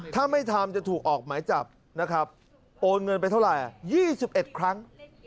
ถ้าไม่ทำจะถูกออกหมายจับนะครับโอนเงินไปเท่าไหร่๒๑ครั้ง